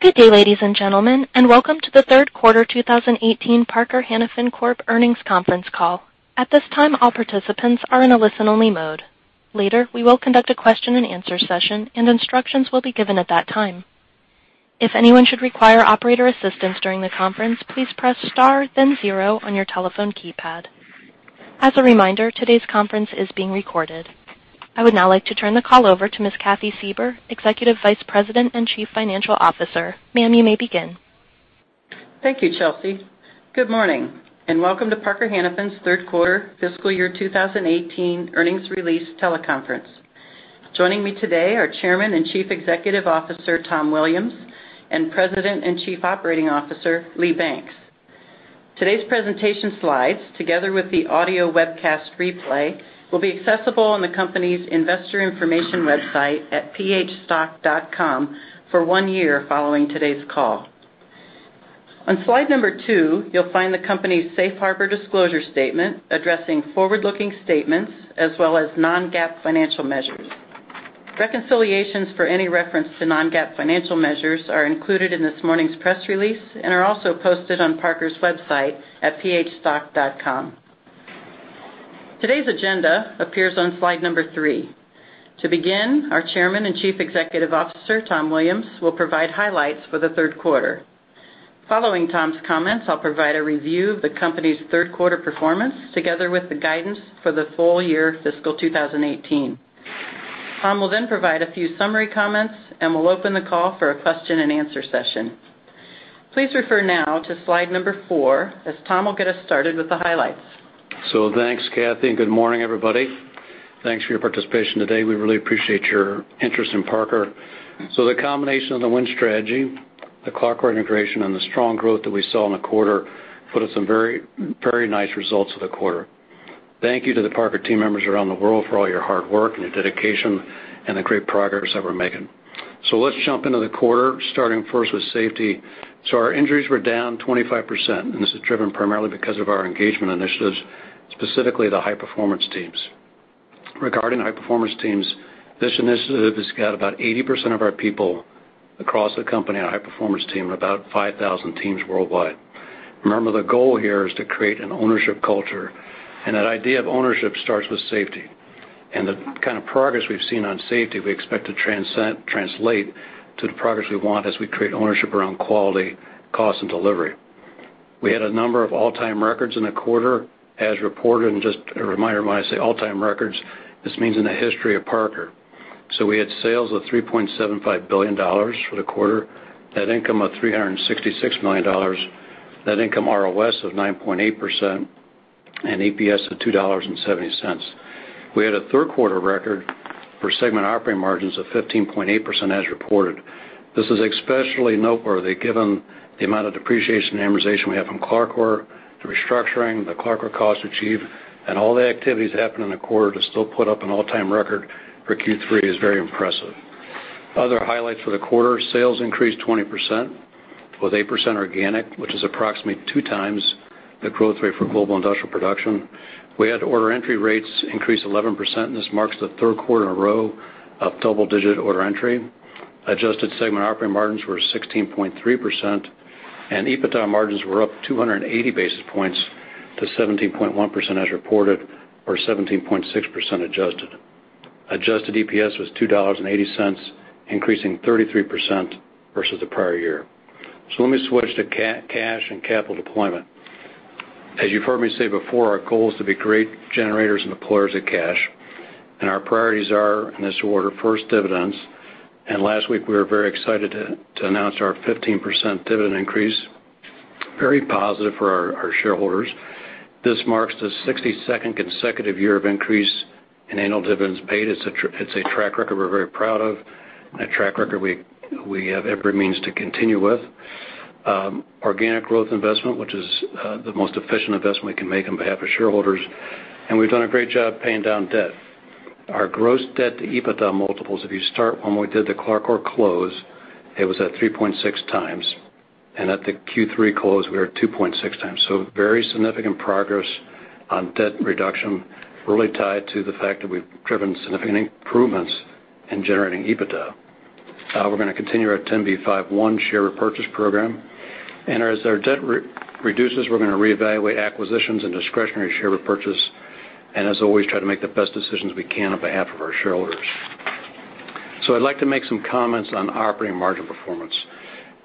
Good day, ladies and gentlemen, and welcome to the third quarter 2018 Parker-Hannifin Corp. earnings conference call. At this time, all participants are in a listen-only mode. Later, we will conduct a question and answer session, and instructions will be given at that time. If anyone should require operator assistance during the conference, please press star then zero on your telephone keypad. As a reminder, today's conference is being recorded. I would now like to turn the call over to Ms. Cathy Suever, Executive Vice President and Chief Financial Officer. Ma'am, you may begin. Thank you, Chelsea. Good morning, and welcome to Parker-Hannifin's third quarter fiscal year 2018 earnings release teleconference. Joining me today are Chairman and Chief Executive Officer, Tom Williams, and President and Chief Operating Officer, Lee Banks. Today's presentation slides, together with the audio webcast replay, will be accessible on the company's investor information website at phstock.com for one year following today's call. On slide number two, you'll find the company's safe harbor disclosure statement addressing forward-looking statements as well as non-GAAP financial measures. Reconciliations for any reference to non-GAAP financial measures are included in this morning's press release and are also posted on Parker's website at phstock.com. Today's agenda appears on slide number three. To begin, our Chairman and Chief Executive Officer, Tom Williams, will provide highlights for the third quarter. Following Tom's comments, I'll provide a review of the company's third quarter performance, together with the guidance for the full year fiscal 2018. Tom will then provide a few summary comments, and we'll open the call for a question and answer session. Please refer now to slide number four, as Tom will get us started with the highlights. Thanks, Cathy, and good morning, everybody. Thanks for your participation today. We really appreciate your interest in Parker. The combination of the Win Strategy, the CLARCOR integration, and the strong growth that we saw in the quarter put us in very nice results for the quarter. Thank you to the Parker team members around the world for all your hard work and your dedication and the great progress that we're making. Let's jump into the quarter, starting first with safety. Our injuries were down 25%, and this is driven primarily because of our engagement initiatives, specifically the High-Performance Teams. Regarding the High-Performance Teams, this initiative has got about 80% of our people across the company on a High-Performance Team, about 5,000 teams worldwide. Remember, the goal here is to create an ownership culture, and that idea of ownership starts with safety. The kind of progress we've seen on safety, we expect to translate to the progress we want as we create ownership around quality, cost, and delivery. We had a number of all-time records in the quarter as reported, and just a reminder, when I say all-time records, this means in the history of Parker. We had sales of $3.75 billion for the quarter, net income of $366 million, net income ROS of 9.8%, and EPS of $2.70. We had a third quarter record for segment operating margins of 15.8% as reported. This is especially noteworthy given the amount of depreciation and amortization we have from CLARCOR, the restructuring, the CLARCOR cost to achieve, and all the activities that happened in the quarter to still put up an all-time record for Q3 is very impressive. Other highlights for the quarter, sales increased 20% with 8% organic, which is approximately two times the growth rate for global industrial production. We had order entry rates increase 11%, and this marks the third quarter in a row of double-digit order entry. Adjusted segment operating margins were 16.3%, and EBITDA margins were up 280 basis points to 17.1% as reported, or 17.6% adjusted. Adjusted EPS was $2.80, increasing 33% versus the prior year. Let me switch to cash and capital deployment. As you've heard me say before, our goal is to be great generators and deployers of cash, and our priorities are, in this order, first, dividends. Last week, we were very excited to announce our 15% dividend increase. Very positive for our shareholders. This marks the 62nd consecutive year of increase in annual dividends paid. It's a track record we're very proud of and a track record we have every means to continue with. Organic growth investment, which is the most efficient investment we can make on behalf of shareholders. We've done a great job paying down debt. Our gross debt to EBITDA multiples, if you start when we did the CLARCOR close, it was at 3.6 times, and at the Q3 close, we are at 2.6 times. Very significant progress on debt reduction, really tied to the fact that we've driven significant improvements in generating EBITDA. We're going to continue our 10b5-1 share repurchase program. As our debt reduces, we're going to reevaluate acquisitions and discretionary share repurchase, and as always, try to make the best decisions we can on behalf of our shareholders. I'd like to make some comments on operating margin performance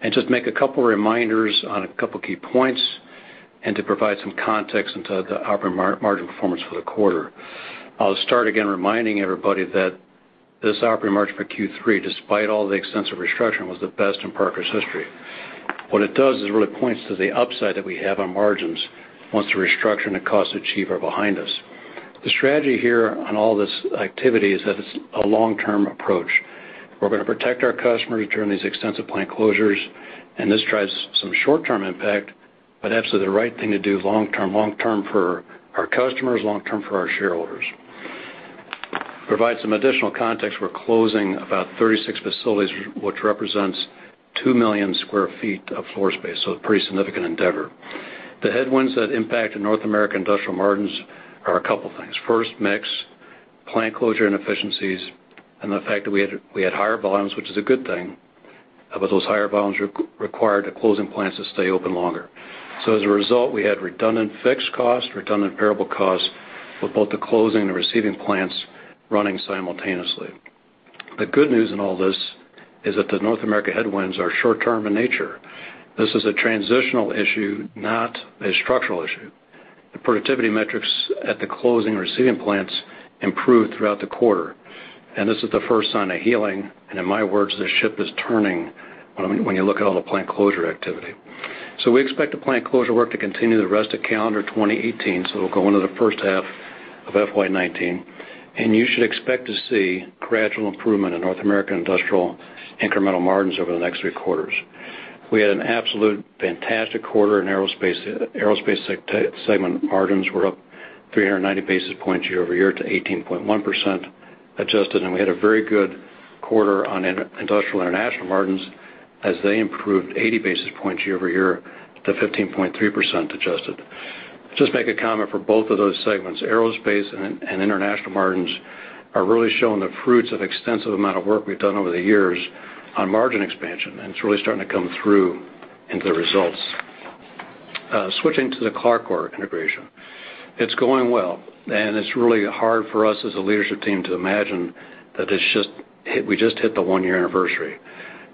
and just make a couple of reminders on a couple of key points and to provide some context into the operating margin performance for the quarter. I'll start again reminding everybody that this operating margin for Q3, despite all the extensive restructuring, was the best in Parker's history. What it does is really points to the upside that we have on margins once the restructuring and cost to achieve are behind us. The strategy here on all this activity is that it's a long-term approach. We're going to protect our customers during these extensive plant closures, and this drives some short-term impact, but absolutely the right thing to do long term. Long term for our customers, long term for our shareholders. Provide some additional context, we're closing about 36 facilities, which represents 2 million sq ft of floor space, a pretty significant endeavor. The headwinds that impact North American industrial margins are a couple of things. First, mix, plant closure and efficiencies, the fact that we had higher volumes, which is a good thing. Those higher volumes required closing plants to stay open longer. As a result, we had redundant fixed costs, redundant variable costs with both the closing and receiving plants running simultaneously. The good news in all this is that the North America headwinds are short-term in nature. This is a transitional issue, not a structural issue. The productivity metrics at the closing or receiving plants improved throughout the quarter, this is the first sign of healing, in my words, the ship is turning when you look at all the plant closure activity. We expect the plant closure work to continue the rest of calendar 2018, it'll go into the first half of FY 2019, you should expect to see gradual improvement in North America Industrial incremental margins over the next three quarters. We had an absolute fantastic quarter in Aerospace. Aerospace segment margins were up 390 basis points year-over-year to 18.1% adjusted, we had a very good quarter on Industrial International margins as they improved 80 basis points year-over-year to 15.3% adjusted. Just make a comment for both of those segments. Aerospace and International margins are really showing the fruits of extensive amount of work we've done over the years on margin expansion, it's really starting to come through in the results. Switching to the CLARCOR integration. It's going well, it's really hard for us as a leadership team to imagine that we just hit the one-year anniversary.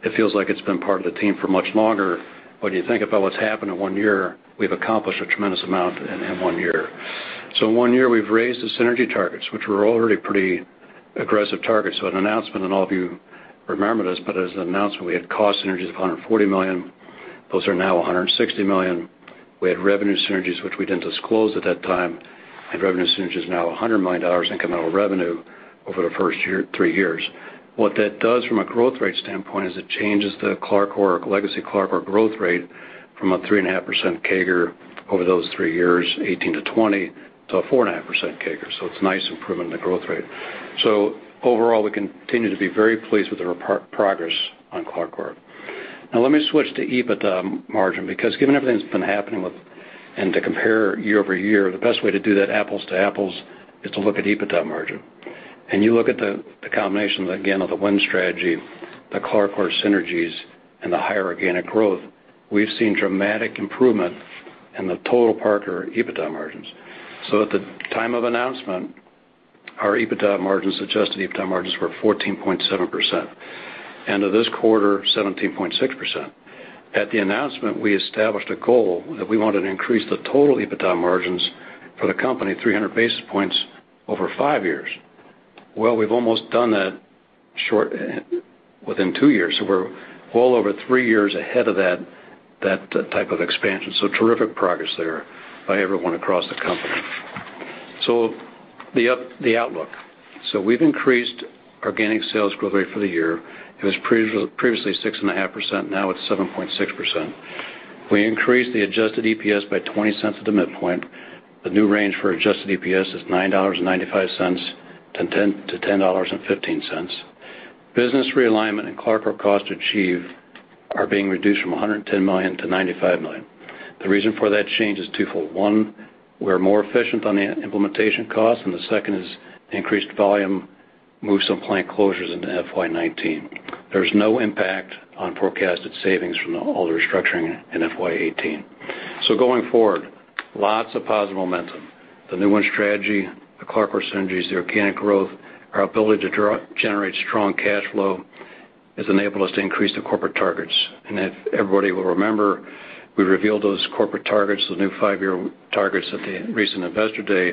It feels like it's been part of the team for much longer. When you think about what's happened in one year, we've accomplished a tremendous amount in one year. In one year, we've raised the synergy targets, which were already pretty aggressive targets. At announcement, all of you remember this, as announced, we had cost synergies of $140 million. Those are now $160 million. We had revenue synergies, which we didn't disclose at that time, revenue synergies now $100 million incremental revenue over the first three years. What that does from a growth rate standpoint is it changes the CLARCOR's growth rate from a 3.5% CAGR over those three years, 2018 to 2020, to a 4.5% CAGR. It's nice improvement in the growth rate. Overall, we continue to be very pleased with the progress on CLARCOR. Let me switch to EBITDA margin, because given everything that's been happening with to compare year-over-year, the best way to do that apples to apples is to look at EBITDA margin. You look at the combination, again, of the Win Strategy, the CLARCOR synergies, the higher organic growth. We've seen dramatic improvement in the total Parker EBITDA margins. At the time of announcement, our adjusted EBITDA margins were 14.7%, of this quarter, 17.6%. At the announcement, we established a goal that we wanted to increase the total EBITDA margins for the company 300 basis points over five years. Well, we've almost done that within two years. We're well over three years ahead of that type of expansion. Terrific progress there by everyone across the company. The outlook. We've increased organic sales growth rate for the year. It was previously 6.5%, now it's 7.6%. We increased the adjusted EPS by $0.20 at the midpoint. The new range for adjusted EPS is $9.95-$10.15. Business realignment and CLARCOR cost to achieve are being reduced from $110 million-$95 million. The reason for that change is twofold. One, we're more efficient on the implementation cost, and the second is increased volume moved some plant closures into FY 2019. There's no impact on forecasted savings from all the restructuring in FY 2018. Going forward, lots of positive momentum. The new Win Strategy, the CLARCOR synergies, the organic growth, our ability to generate strong cash flow has enabled us to increase the corporate targets. If everybody will remember, we revealed those corporate targets, the new five-year targets at the recent Investor Day.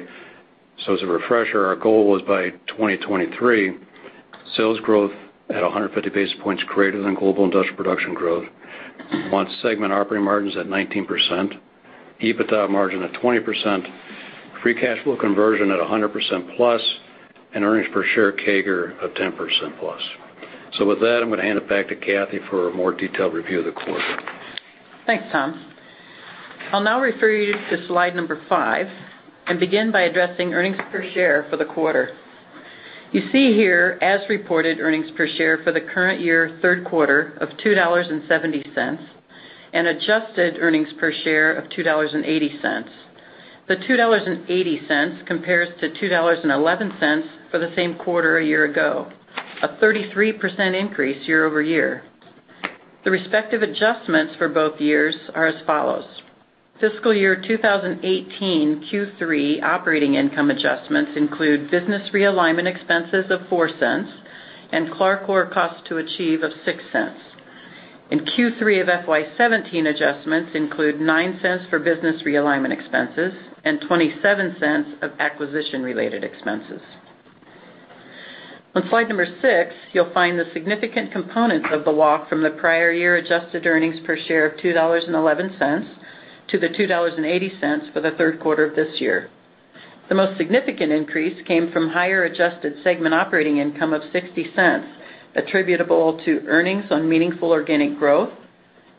As a refresher, our goal was by 2023, sales growth at 150 basis points greater than global industrial production growth. We want segment operating margins at 19%, EBITDA margin at 20%, free cash flow conversion at 100% plus, and earnings per share CAGR of 10% plus. With that, I'm going to hand it back to Cathy for a more detailed review of the quarter. Thanks, Tom. I'll now refer you to slide number five and begin by addressing earnings per share for the quarter. You see here as reported earnings per share for the current year third quarter of $2.70 and adjusted earnings per share of $2.80. The $2.80 compares to $2.11 for the same quarter a year ago, a 33% increase year-over-year. The respective adjustments for both years are as follows. Fiscal year 2018 Q3 operating income adjustments include business realignment expenses of $0.04 and CLARCOR cost to achieve of $0.06. In Q3 of FY 2017, adjustments include $0.09 for business realignment expenses and $0.27 of acquisition-related expenses. On slide number six, you'll find the significant components of the walk from the prior year adjusted earnings per share of $2.11 to the $2.80 for the third quarter of this year. The most significant increase came from higher adjusted segment operating income of $0.60 attributable to earnings on meaningful organic growth,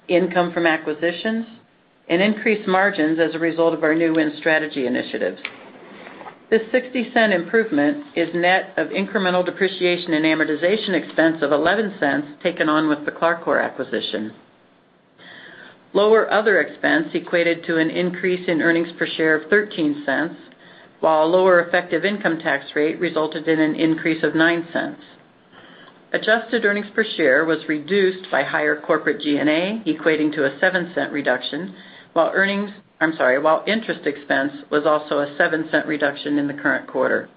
income from acquisitions, and increased margins as a result of our new Win Strategy initiatives. This $0.60 improvement is net of incremental depreciation and amortization expense of $0.11 taken on with the CLARCOR acquisition. Lower other expense equated to an increase in earnings per share of $0.13, while a lower effective income tax rate resulted in an increase of $0.09. Adjusted earnings per share was reduced by higher corporate G&A, equating to a $0.07 reduction, while interest expense was also a $0.07 reduction in the current quarter.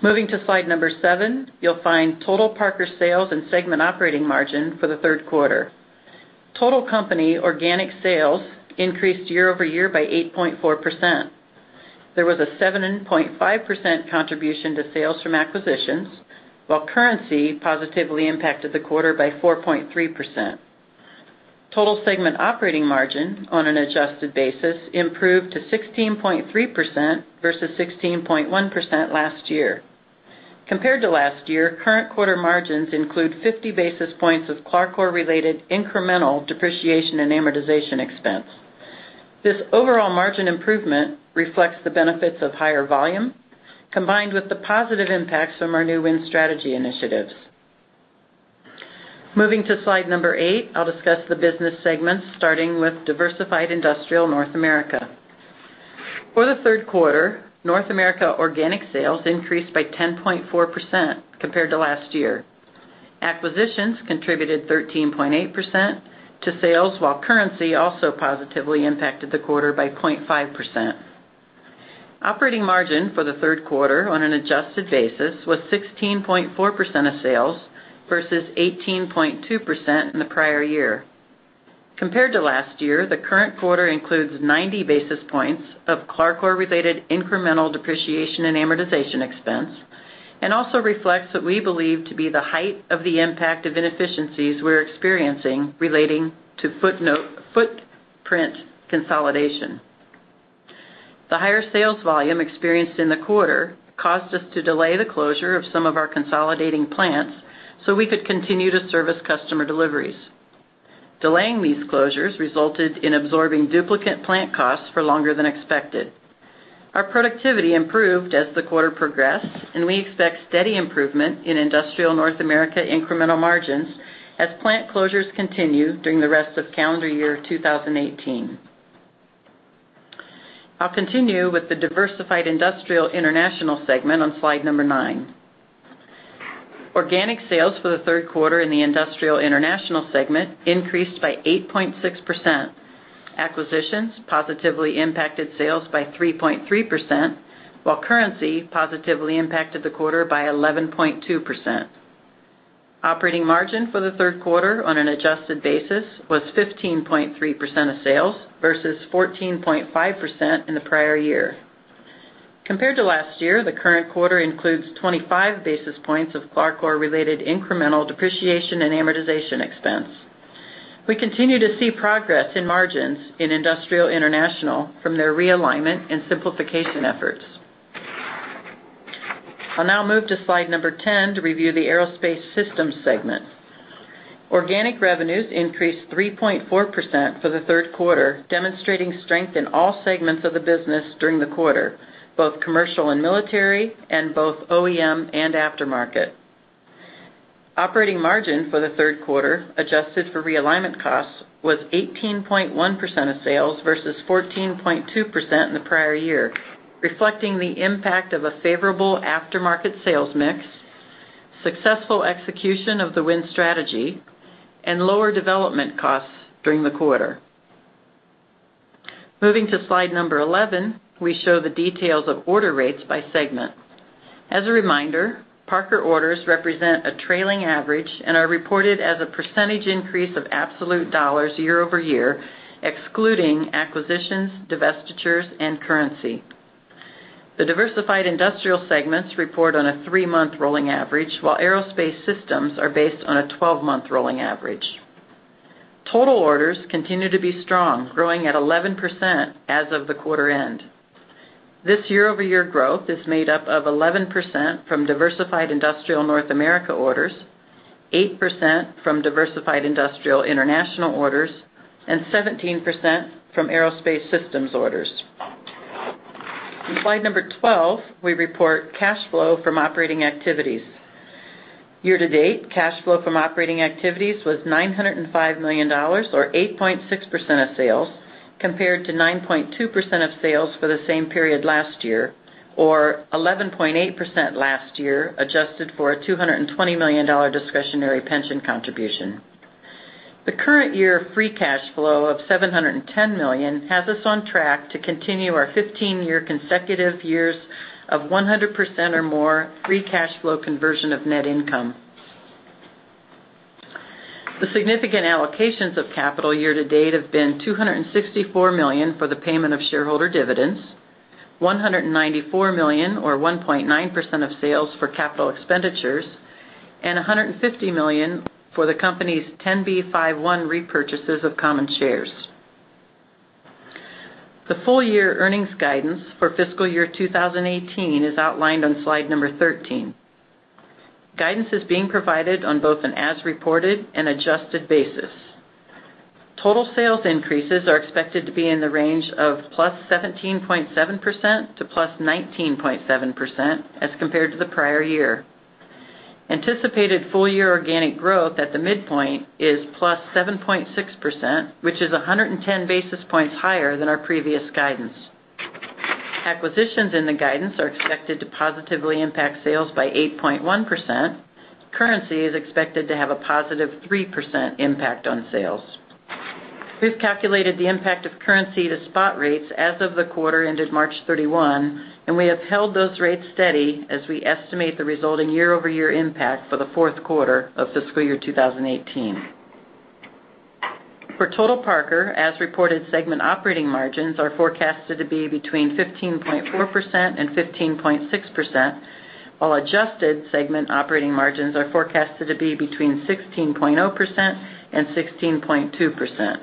Moving to slide number seven, you'll find total Parker sales and segment operating margin for the third quarter. Total company organic sales increased year-over-year by 8.4%. There was a 7.5% contribution to sales from acquisitions, while currency positively impacted the quarter by 4.3%. Total segment operating margin on an adjusted basis improved to 16.3% versus 16.1% last year. Compared to last year, current quarter margins include 50 basis points of CLARCOR-related incremental depreciation and amortization expense. This overall margin improvement reflects the benefits of higher volume, combined with the positive impacts from our new Win Strategy initiatives. Moving to slide number eight, I'll discuss the business segments, starting with Diversified Industrial North America. For the third quarter, North America organic sales increased by 10.4% compared to last year. Acquisitions contributed 13.8% to sales, while currency also positively impacted the quarter by 0.5%. Operating margin for the third quarter on an adjusted basis was 16.4% of sales versus 18.2% in the prior year. Compared to last year, the current quarter includes 90 basis points of CLARCOR-related incremental depreciation and amortization expense, also reflects what we believe to be the height of the impact of inefficiencies we're experiencing relating to footprint consolidation. The higher sales volume experienced in the quarter caused us to delay the closure of some of our consolidating plants so we could continue to service customer deliveries. Delaying these closures resulted in absorbing duplicate plant costs for longer than expected. Our productivity improved as the quarter progressed, and we expect steady improvement in Industrial North America incremental margins as plant closures continue during the rest of calendar year 2018. I'll continue with the Diversified Industrial International segment on slide number nine. Organic sales for the third quarter in the Industrial International segment increased by 8.6%. Acquisitions positively impacted sales by 3.3%, while currency positively impacted the quarter by 11.2%. Operating margin for the third quarter on an adjusted basis was 15.3% of sales versus 14.5% in the prior year. Compared to last year, the current quarter includes 25 basis points of CLARCOR-related incremental depreciation and amortization expense. We continue to see progress in margins in Industrial International from their realignment and simplification efforts. I'll now move to slide number 10 to review the Aerospace Systems segment. Organic revenues increased 3.4% for the third quarter, demonstrating strength in all segments of the business during the quarter, both commercial and military, and both OEM and aftermarket. Operating margin for the third quarter, adjusted for realignment costs, was 18.1% of sales versus 14.2% in the prior year, reflecting the impact of a favorable aftermarket sales mix, successful execution of the Win Strategy, and lower development costs during the quarter. Moving to slide number 11, we show the details of order rates by segment. As a reminder, Parker orders represent a trailing average and are reported as a percentage increase of absolute dollars year-over-year, excluding acquisitions, divestitures, and currency. The Diversified Industrial segments report on a three-month rolling average, while Aerospace Systems are based on a 12-month rolling average. Total orders continue to be strong, growing at 11% as of the quarter end. This year-over-year growth is made up of 11% from Diversified Industrial North America orders, 8% from Diversified Industrial International orders, and 17% from Aerospace Systems orders. On slide number 12, we report cash flow from operating activities. Year to date, cash flow from operating activities was $905 million, or 8.6% of sales, compared to 9.2% of sales for the same period last year, or 11.8% last year, adjusted for a $220 million discretionary pension contribution. The current year free cash flow of $710 million has us on track to continue our 15 year consecutive years of 100% or more free cash flow conversion of net income. The significant allocations of capital year to date have been $264 million for the payment of shareholder dividends, $194 million or 1.9% of sales for capital expenditures, and $150 million for the company's 10b5-1 repurchases of common shares. The full year earnings guidance for fiscal year 2018 is outlined on slide number 13. Guidance is being provided on both an as reported and adjusted basis. Total sales increases are expected to be in the range of +17.7% to +19.7% as compared to the prior year. Anticipated full year organic growth at the midpoint is +7.6%, which is 110 basis points higher than our previous guidance. Acquisitions in the guidance are expected to positively impact sales by 8.1%. Currency is expected to have a +3% impact on sales. We've calculated the impact of currency to spot rates as of the quarter ended March 31, and we have held those rates steady as we estimate the resulting year-over-year impact for the fourth quarter of fiscal year 2018. For total Parker, as-reported segment operating margins are forecasted to be between 15.4%-15.6%, while adjusted segment operating margins are forecasted to be between 16.0%-16.2%.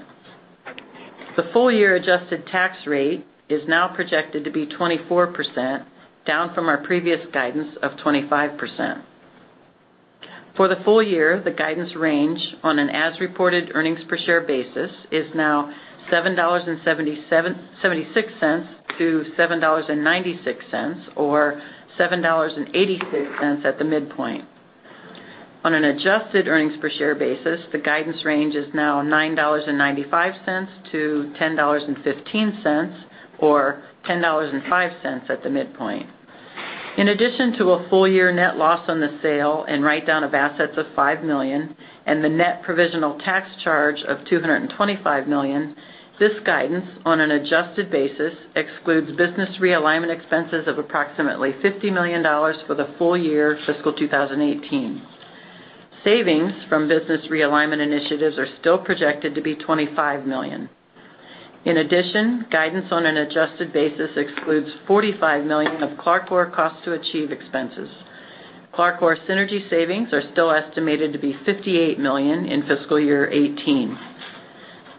The full year adjusted tax rate is now projected to be 24%, down from our previous guidance of 25%. For the full year, the guidance range on an as-reported earnings per share basis is now $7.76-$7.96, or $7.86 at the midpoint. On an adjusted earnings per share basis, the guidance range is now $9.95-$10.15, or $10.05 at the midpoint. In addition to a full year net loss on the sale and write-down of assets of $5 million, and the net provisional tax charge of $225 million, this guidance on an adjusted basis excludes business realignment expenses of approximately $50 million for the full year fiscal year 2018. Savings from business realignment initiatives are still projected to be $25 million. In addition, guidance on an adjusted basis excludes $45 million of CLARCOR cost to achieve expenses. CLARCOR synergy savings are still estimated to be $58 million in fiscal year 2018.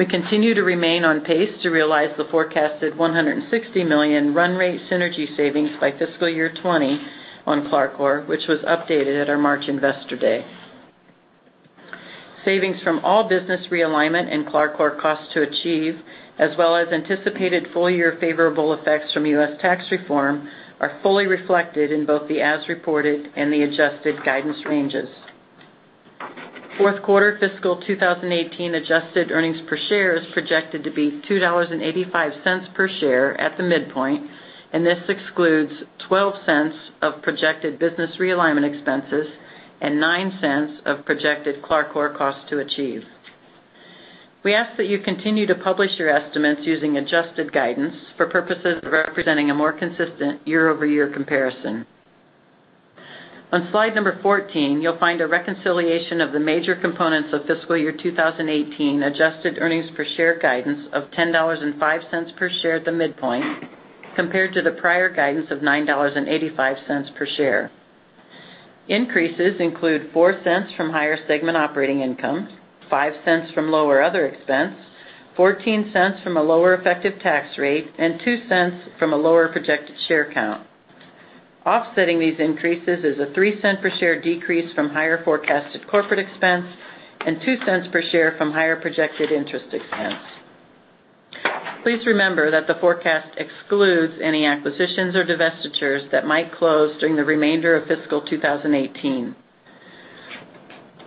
We continue to remain on pace to realize the forecasted $160 million run rate synergy savings by fiscal year 2020 on CLARCOR, which was updated at our March investor day. Savings from all business realignment and CLARCOR cost to achieve, as well as anticipated full year favorable effects from U.S. tax reform, are fully reflected in both the as-reported and the adjusted guidance ranges. Fourth quarter fiscal year 2018 adjusted earnings per share is projected to be $2.85 per share at the midpoint, and this excludes $0.12 of projected business realignment expenses and $0.09 of projected CLARCOR cost to achieve. We ask that you continue to publish your estimates using adjusted guidance for purposes of representing a more consistent year-over-year comparison. On slide number 14, you'll find a reconciliation of the major components of fiscal year 2018 adjusted earnings per share guidance of $10.05 per share at the midpoint, compared to the prior guidance of $9.85 per share. Increases include $0.04 from higher segment operating income, $0.05 from lower other expense, $0.14 from a lower effective tax rate, and $0.02 from a lower projected share count. Offsetting these increases is a $0.03 per share decrease from higher forecasted corporate expense and $0.02 per share from higher projected interest expense. Please remember that the forecast excludes any acquisitions or divestitures that might close during the remainder of fiscal 2018.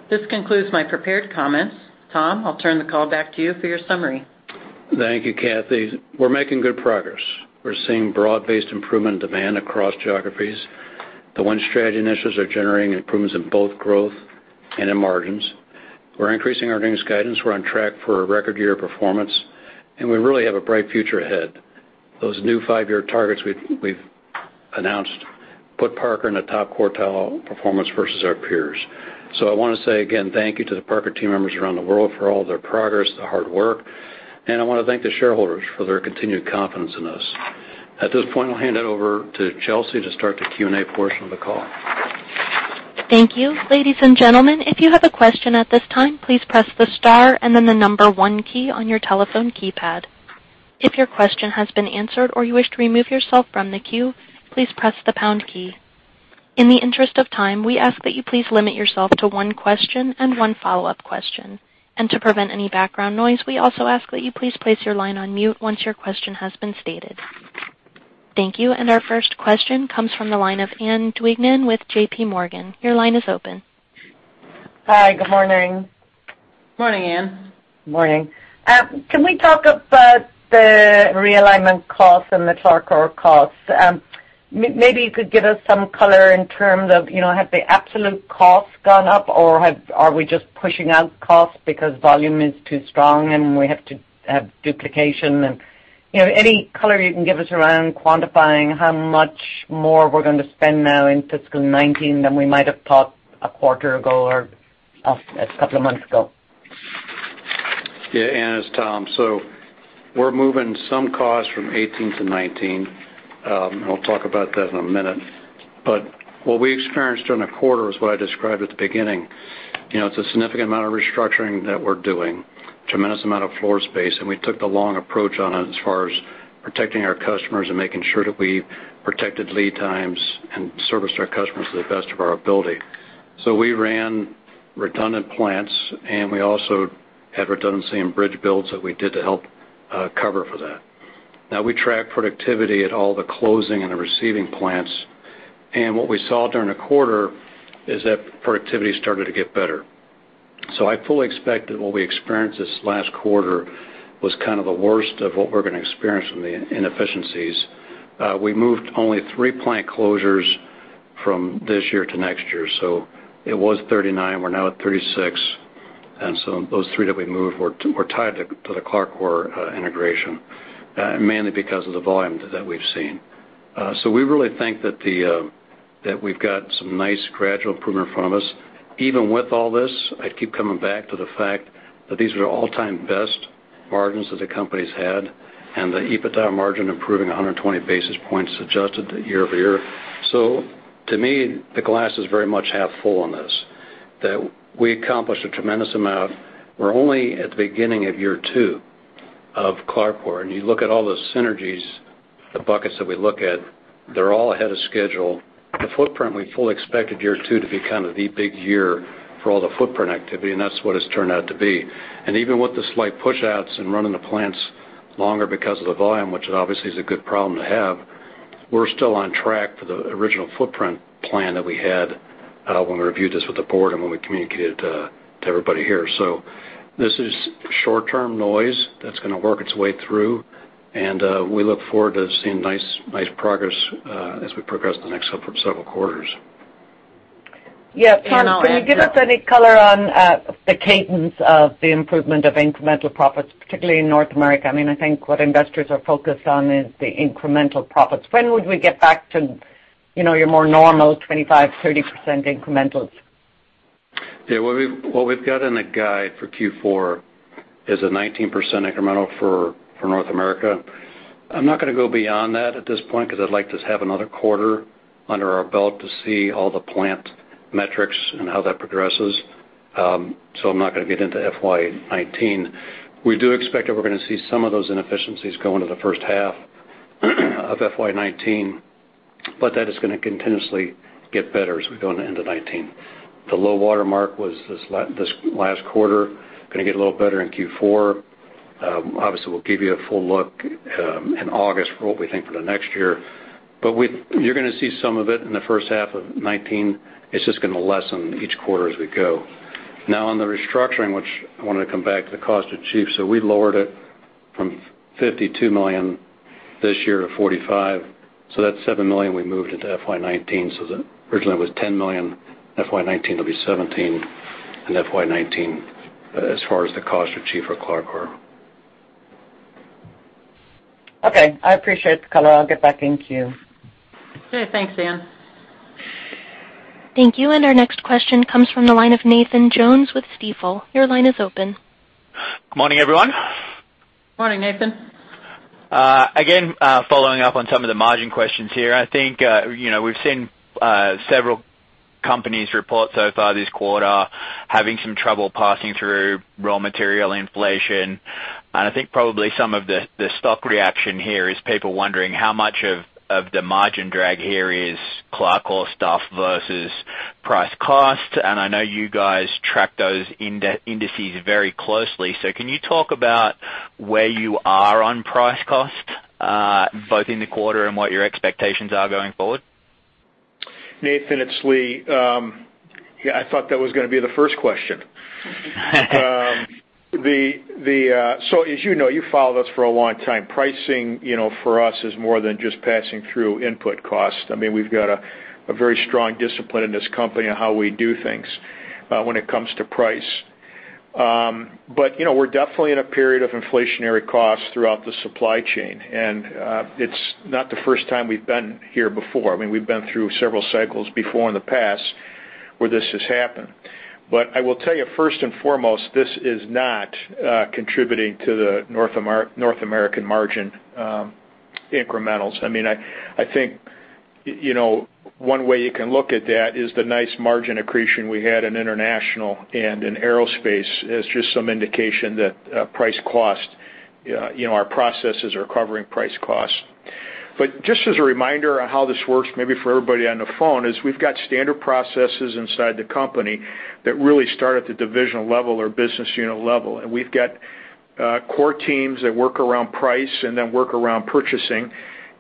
This concludes my prepared comments. Tom, I'll turn the call back to you for your summary. Thank you, Cathy. We're making good progress. We're seeing broad-based improvement in demand across geographies. The Win Strategy initiatives are generating improvements in both growth and in margins. We're increasing our earnings guidance. We're on track for a record year of performance, and we really have a bright future ahead. Those new five-year targets we've announced put Parker in a top quartile performance versus our peers. I want to say, again, thank you to the Parker team members around the world for all their progress, the hard work, and I want to thank the shareholders for their continued confidence in us. At this point, I'll hand it over to Chelsea to start the Q&A portion of the call. Thank you. Ladies and gentlemen, if you have a question at this time, please press the star and then the number 1 key on your telephone keypad. If your question has been answered or you wish to remove yourself from the queue, please press the pound key. In the interest of time, we ask that you please limit yourself to one question and one follow-up question. To prevent any background noise, we also ask that you please place your line on mute once your question has been stated. Thank you. Our first question comes from the line of Ann Duignan with J.P. Morgan. Your line is open. Hi. Good morning. Morning, Ann. Morning. Can we talk about the realignment cost and the CLARCOR cost? Maybe you could give us some color in terms of, has the absolute cost gone up, or are we just pushing out cost because volume is too strong, and we have to have duplication. Any color you can give us around quantifying how much more we're going to spend now in fiscal 2019 than we might have thought a quarter ago or a couple of months ago. Ann, it's Tom. We're moving some costs from 2018 to 2019. I'll talk about that in a minute. What we experienced during the quarter was what I described at the beginning. It's a significant amount of restructuring that we're doing, tremendous amount of floor space, and we took the long approach on it as far as protecting our customers and making sure that we protected lead times and serviced our customers to the best of our ability. We ran redundant plants, and we also had redundancy in bridge builds that we did to help cover for that. We track productivity at all the closing and the receiving plants. What we saw during the quarter is that productivity started to get better. I fully expect that what we experienced this last quarter was kind of the worst of what we're going to experience from the inefficiencies. We moved only three plant closures from this year to next year. It was 39, we're now at 36. Those three that we moved were tied to the CLARCOR integration, mainly because of the volume that we've seen. We really think that we've got some nice gradual improvement in front of us. Even with all this, I keep coming back to the fact that these are all-time best margins that the company's had, and the EBITDA margin improving 120 basis points adjusted year-over-year. To me, the glass is very much half full on this. That we accomplished a tremendous amount. We're only at the beginning of year 2 of CLARCOR, you look at all the synergies, the buckets that we look at, they're all ahead of schedule. The footprint, we fully expected year 2 to be kind of the big year for all the footprint activity, and that's what it's turned out to be. Even with the slight push-outs and running the plants longer because of the volume, which obviously is a good problem to have, we're still on track for the original footprint plan that we had, when we reviewed this with the board and when we communicated to everybody here. This is short-term noise that's going to work its way through, we look forward to seeing nice progress as we progress the next several quarters. Yeah. Tom, can you give us any color on the cadence of the improvement of incremental profits, particularly in North America? I think what investors are focused on is the incremental profits. When would we get back to your more normal 25%-30% incrementals? Yeah. What we've got in the guide for Q4 is a 19% incremental for North America. I'm not going to go beyond that at this point because I'd like to have another quarter under our belt to see all the plant metrics and how that progresses. I'm not going to get into FY 2019. We do expect that we're going to see some of those inefficiencies go into the first half of FY 2019, that is going to continuously get better as we go into 2019. The low water mark was this last quarter. Going to get a little better in Q4. Obviously, we'll give you a full look in August for what we think for the next year. You're going to see some of it in the first half of 2019. It's just going to lessen each quarter as we go. Now on the restructuring, which I want to come back to the cost achieved. We lowered it from $52 million this year to $45 million. That's $7 million we moved into FY 2019. Originally it was $10 million. FY 2019 will be $17 million in FY 2019 as far as the cost achieved for CLARCOR. Okay. I appreciate the color. I'll get back in queue. Okay. Thanks, Ann. Thank you. Our next question comes from the line of Nathan Jones with Stifel. Your line is open. Morning, everyone. Morning, Nathan. Following up on some of the margin questions here. I think, we've seen several companies report so far this quarter having some trouble passing through raw material inflation. I think probably some of the stock reaction here is people wondering how much of the margin drag here is CLARCOR stuff versus price cost. I know you guys track those indices very closely. Can you talk about where you are on price cost, both in the quarter and what your expectations are going forward? Nathan, it's Lee. I thought that was going to be the first question. As you know, you've followed us for a long time. Pricing for us is more than just passing through input cost. We've got a very strong discipline in this company on how we do things when it comes to price. We're definitely in a period of inflationary costs throughout the supply chain, and it's not the first time we've been here before. We've been through several cycles before in the past where this has happened. I will tell you, first and foremost, this is not contributing to the North American margin incrementals. I think one way you can look at that is the nice margin accretion we had in international and in Aerospace as just some indication that our processes are covering price cost. Just as a reminder on how this works, maybe for everybody on the phone, is we've got standard processes inside the company that really start at the division level or business unit level. We've got core teams that work around price and then work around purchasing.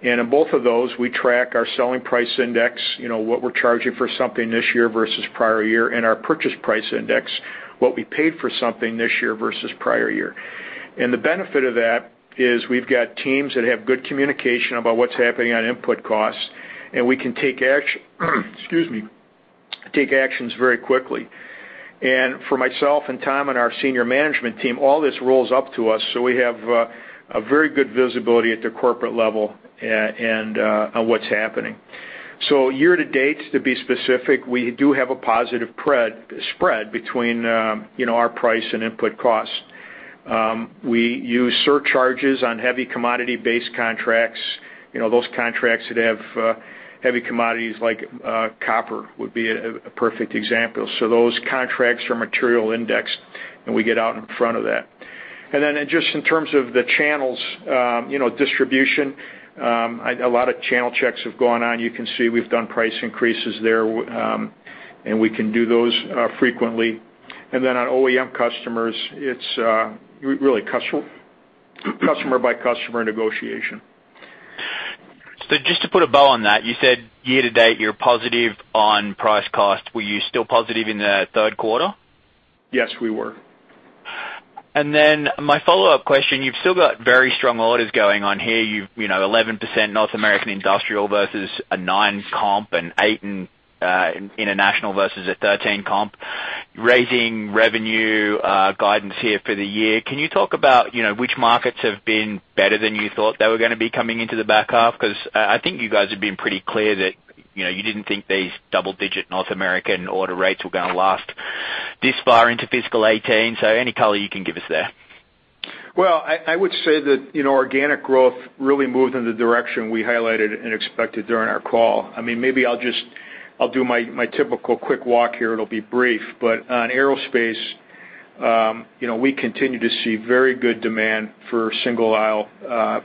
In both of those, we track our selling price index, what we're charging for something this year versus prior year, and our purchase price index, what we paid for something this year versus prior year. The benefit of that is we've got teams that have good communication about what's happening on input costs, and we can take actions very quickly. For myself and Tom and our senior management team, all this rolls up to us, so we have a very good visibility at the corporate level on what's happening. Year to date, to be specific, we do have a positive spread between our price and input cost. We use surcharges on heavy commodity-based contracts. Those contracts that have heavy commodities like copper would be a perfect example. Those contracts are material indexed, and we get out in front of that. Then just in terms of the channels, distribution, a lot of channel checks have gone on. You can see we've done price increases there, and we can do those frequently. Then on OEM customers, it's really customer by customer negotiation. Just to put a bow on that, you said year to date, you're positive on price cost. Were you still positive in the third quarter? Yes, we were. My follow-up question, you've still got very strong orders going on here. You've 11% North American Industrial versus a 9 comp and 8 in International versus a 13 comp, raising revenue guidance here for the year. Can you talk about which markets have been better than you thought they were going to be coming into the back half? Because I think you guys have been pretty clear that you didn't think these double-digit North American order rates were going to last this far into fiscal 2018. Any color you can give us there? I would say that organic growth really moved in the direction we highlighted and expected during our call. I'll do my typical quick walk here. It'll be brief. On Aerospace, we continue to see very good demand for single aisle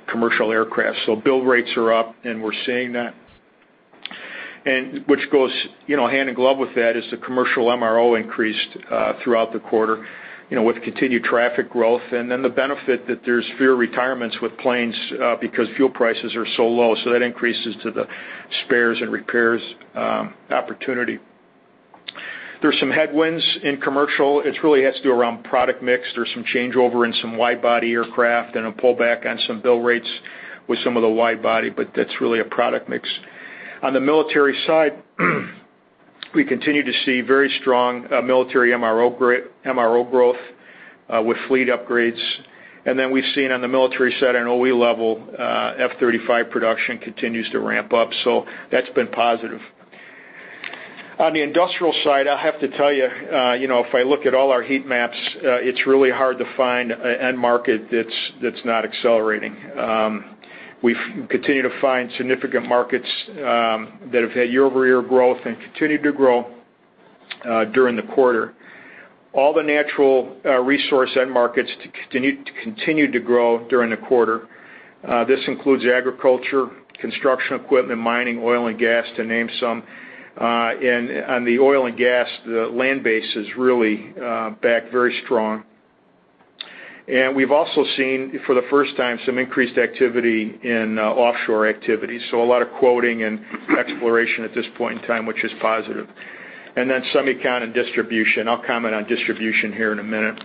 commercial aircraft. Build rates are up, and we're seeing that. Which goes hand in glove with that is the commercial MRO increased throughout the quarter, with continued traffic growth, and then the benefit that there's fewer retirements with planes because fuel prices are so low. That increases to the spares and repairs opportunity. There's some headwinds in commercial. It really has to do around product mix. There's some changeover in some wide body aircraft and a pullback on some build rates with some of the wide body, but that's really a product mix. On the military side, we continue to see very strong military MRO growth, with fleet upgrades. We've seen on the military side, on OE level, F-35 production continues to ramp up, that's been positive. On the industrial side, I have to tell you, if I look at all our heat maps, it's really hard to find an end market that's not accelerating. We've continued to find significant markets that have had year-over-year growth and continued to grow during the quarter. All the natural resource end markets continued to grow during the quarter. This includes agriculture, construction equipment, mining, oil and gas, to name some. On the oil and gas, the land base is really back very strong. We've also seen, for the first time, some increased activity in offshore activity. A lot of quoting and exploration at this point in time, which is positive. Semicon and distribution. I'll comment on distribution here in a minute.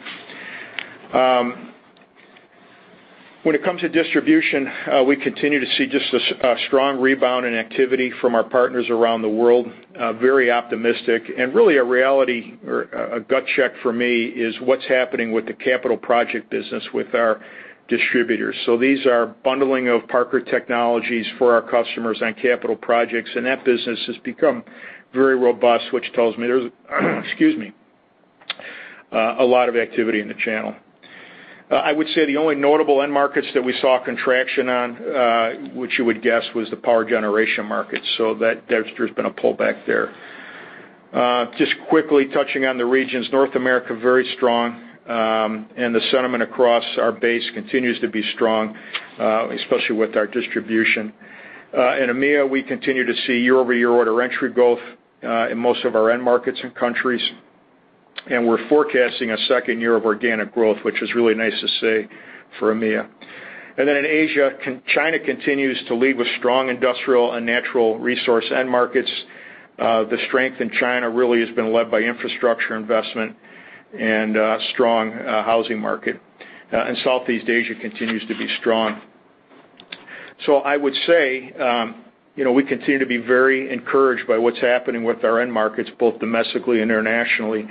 When it comes to distribution, we continue to see just a strong rebound in activity from our partners around the world. Very optimistic and really a reality or a gut check for me is what's happening with the capital project business with our distributors. These are bundling of Parker technologies for our customers on capital projects, and that business has become very robust, which tells me there's a lot of activity in the channel. I would say the only notable end markets that we saw contraction on, which you would guess, was the power generation market. There's been a pullback there. Just quickly touching on the regions, North America, very strong. The sentiment across our base continues to be strong, especially with our distribution. In EMEA, we continue to see year-over-year order entry growth, in most of our end markets and countries. We're forecasting a second year of organic growth, which is really nice to see for EMEA. In Asia, China continues to lead with strong industrial and natural resource end markets. The strength in China really has been led by infrastructure investment and a strong housing market. Southeast Asia continues to be strong. I would say, we continue to be very encouraged by what's happening with our end markets, both domestically and internationally.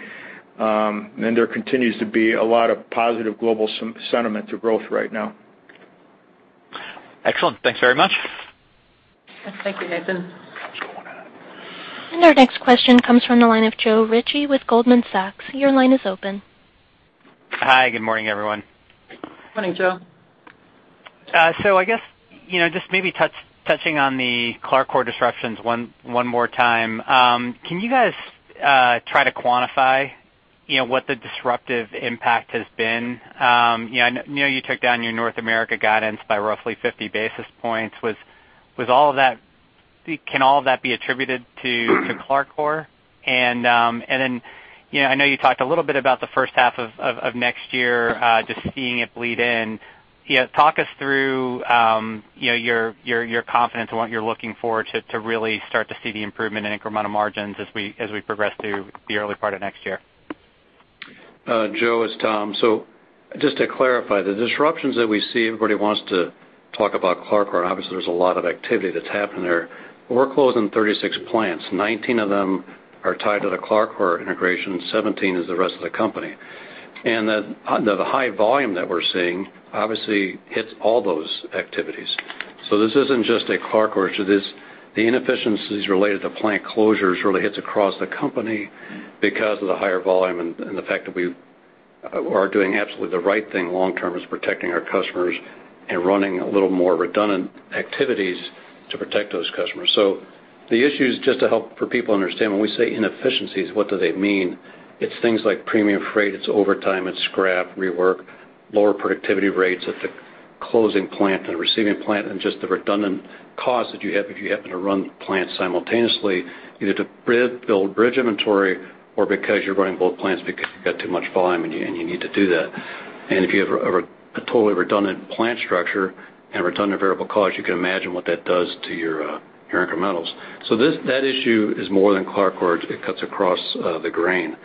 There continues to be a lot of positive global sentiment to growth right now. Excellent. Thanks very much. Thank you, Nathan. Our next question comes from the line of Joe Ritchie with Goldman Sachs. Your line is open. Hi, good morning, everyone. Morning, Joe. I guess, just maybe touching on the CLARCOR disruptions one more time. Can you guys try to quantify what the disruptive impact has been? I know you took down your North America guidance by roughly 50 basis points. Can all of that be attributed to CLARCOR? Then, I know you talked a little bit about the first half of next year, just seeing it bleed in. Talk us through your confidence in what you're looking for to really start to see the improvement in incremental margins as we progress through the early part of next year. Joe, it's Tom. Just to clarify, the disruptions that we see, everybody wants to talk about CLARCOR, and obviously, there's a lot of activity that's happened there. We're closing 36 plants. 19 of them are tied to the CLARCOR integration, 17 is the rest of the company. The high volume that we're seeing obviously hits all those activities. This isn't just a CLARCOR. The inefficiencies related to plant closures really hits across the company because of the higher volume and the fact that we are doing absolutely the right thing long term is protecting our customers and running a little more redundant activities to protect those customers. The issue is just to help for people understand when we say inefficiencies, what do they mean? It's things like premium freight, it's overtime, it's scrap, rework, lower productivity rates at the- closing plant and receiving plant and just the redundant cost that you have if you happen to run plants simultaneously, either to build bridge inventory or because you're running both plants because you've got too much volume and you need to do that. If you have a totally redundant plant structure and redundant variable cost, you can imagine what that does to your incrementals. That issue is more than CLARCOR's. It cuts across the grain.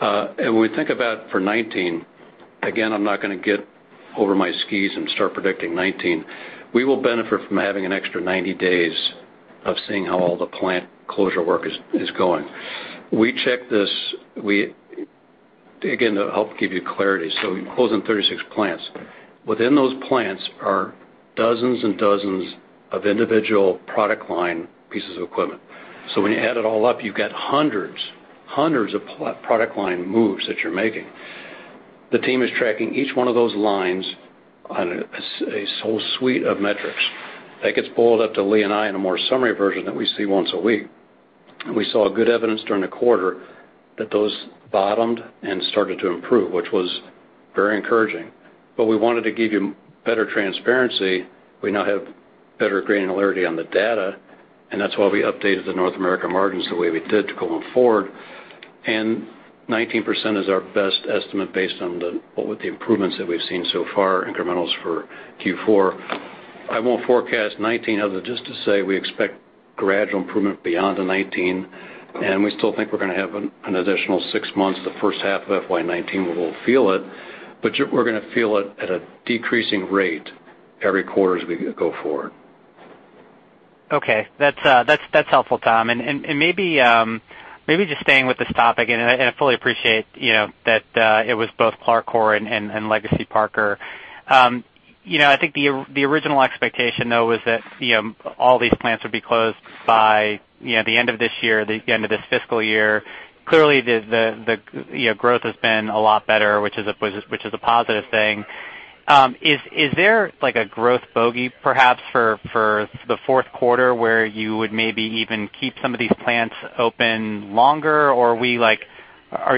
When we think about for 2019, again, I'm not going to get over my skis and start predicting 2019. We will benefit from having an extra 90 days of seeing how all the plant closure work is going. We check this, again, to help give you clarity. We're closing 36 plants. Within those plants are dozens and dozens of individual product line pieces of equipment. When you add it all up, you've got hundreds of product line moves that you're making. The team is tracking each one of those lines on a whole suite of metrics. That gets boiled up to Lee and I in a more summary version that we see once a week. We saw good evidence during the quarter that those bottomed and started to improve, which was very encouraging. We wanted to give you better transparency. We now have better granularity on the data, and that's why we updated the North America margins the way we did to going forward. 19% is our best estimate based on the improvements that we've seen so far, incrementals for Q4. I won't forecast 2019 other just to say we expect gradual improvement beyond the 2019, and we still think we're going to have an additional six months. The first half of FY 2019 we will feel it, but we're going to feel it at a decreasing rate every quarter as we go forward. Okay. That's helpful, Tom. Maybe just staying with this topic, and I fully appreciate that it was both CLARCOR and Legacy Parker. I think the original expectation, though, was that all these plants would be closed by the end of this fiscal year. Clearly, the growth has been a lot better, which is a positive thing. Is there a growth bogey, perhaps, for the fourth quarter where you would maybe even keep some of these plants open longer? Or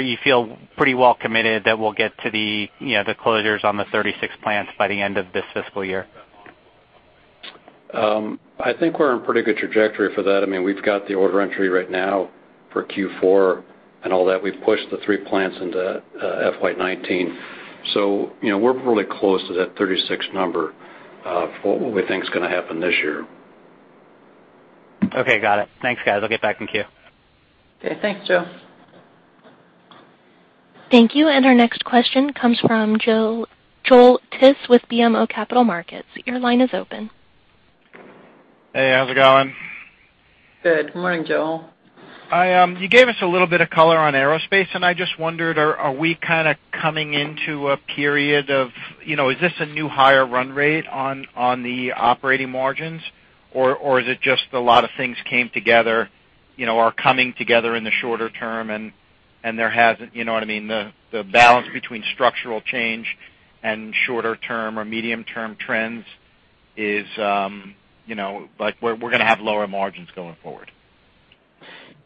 you feel pretty well committed that we'll get to the closures on the 36 plants by the end of this fiscal year? I think we're in pretty good trajectory for that. We've got the order entry right now for Q4 and all that. We've pushed the three plants into FY 2019. We're really close to that 36 number for what we think is going to happen this year. Okay, got it. Thanks, guys. I'll get back in queue. Okay. Thanks, Joe. Thank you. Our next question comes from Joel Tiss with BMO Capital Markets. Your line is open. Hey, how's it going? Good morning, Joel. You gave us a little bit of color on aerospace. I just wondered, are we kind of coming into a period of, is this a new higher run rate on the operating margins? Is it just a lot of things came together, are coming together in the shorter term and there hasn't, you know what I mean, the balance between structural change and shorter term or medium term trends is, we're going to have lower margins going forward?